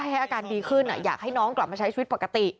ให้อาการดีขึ้นอยากให้น้องกลับมาใช้ชีวิตปกติ